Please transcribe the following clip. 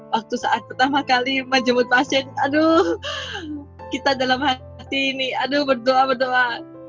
waktu saat pertama kali menjemput pasien aduh kita dalam hati ini aduh berdoa berdoa